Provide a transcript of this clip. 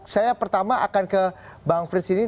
saya pertama akan ke bang frits ini